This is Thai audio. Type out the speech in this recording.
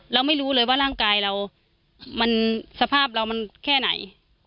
เราไม่รู้เลยว่าร่างกายเรามันสภาพเรามันแค่ไหน